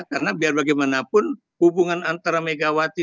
karena biar bagaimanapun hubungan antara megawati